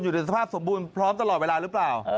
ในสภาพสมบูรณ์พร้อมตลอดเวลาหรือเปล่า